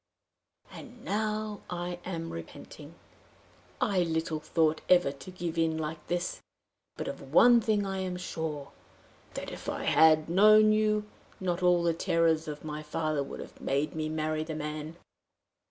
And now I am repenting! I little thought ever to give in like this! But of one thing I am sure that, if I had known you, not all the terrors of my father would have made me marry the man."